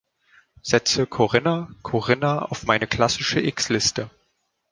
Setze Corrina, Corrina auf meine klassische X-Liste.